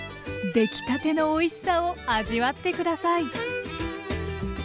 出来たてのおいしさを味わって下さい。